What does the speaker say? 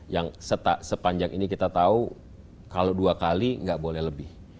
yang sepanjang ini kita tahu kalau dua kali nggak boleh lebih